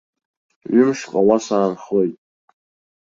Ҩымшҟа уа саанхоит.